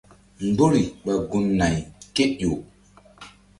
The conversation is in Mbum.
Mgbori ɓa gun- nay kéƴo.